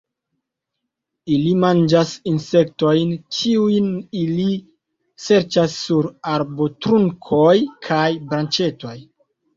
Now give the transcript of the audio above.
Ili manĝas insektojn, kiujn ili serĉas sur arbotrunkoj kaj branĉetoj.